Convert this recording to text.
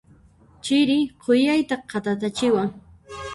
Chiri khuyayta khatatachiwan.